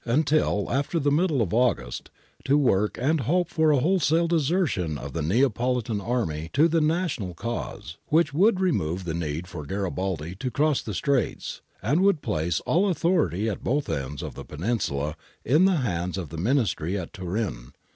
I COUNT LITTA'S MISSION loi until after the middle of August to work and hope for a wholesale desertion of the Neapolitan army to the national cause, which would remove the need for Garibaldi to cross the Straits, and would place all authority at both ends of the peninsula in the hands of the Ministry at Turin.